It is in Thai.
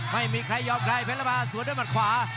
ไม่มีใครยอมใครเพชรละมาสวนด้วยหมัดขวา